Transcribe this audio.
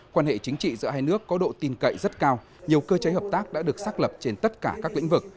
quan hệ chính trị giữa hai nước có độ tin cậy rất cao nhiều cơ chế hợp tác đã được xác lập trên tất cả các lĩnh vực